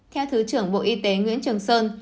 theo thứ trưởng bộ y tế nguyễn trường sơn